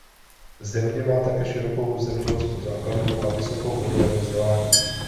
Země má také širokou zemědělskou základnu a vysokou úroveň vzdělání.